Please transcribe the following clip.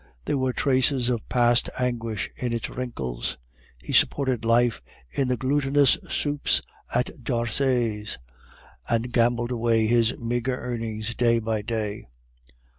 There were traces of past anguish in its wrinkles. He supported life on the glutinous soups at Darcet's, and gambled away his meagre earnings day by day.